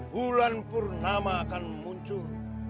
bulan purnama akan muncul